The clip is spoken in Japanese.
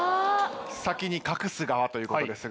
先に隠す側ということですが。